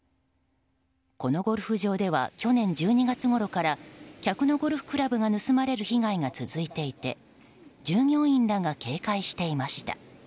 このゴルフ場では去年１２月ごろから客のゴルフクラブが盗まれる被害が続いていて従業員らが警戒していました。